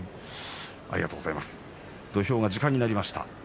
土俵が時間になりました。